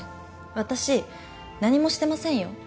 私何もしてませんよ。